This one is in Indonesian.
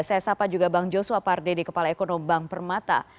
saya sapa juga bang joshua pardede kepala ekonomi bank permata